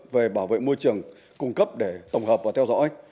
về bảo vệ môi trường cung cấp để tổng hợp và theo dõi